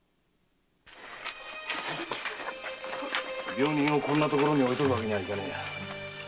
病人をこんな所に置いておくわけにはいかねえ。